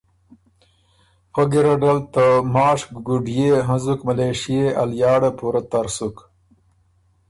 فۀ ګیرډ ال ته ماشک ګُډئے هنزُک ملېشئے ا لیاړه پُورۀ تر سُک